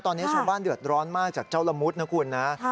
ตอนนี้ชาวบ้านเดือดร้อนมากจากเจ้าละมุดนะคุณนะ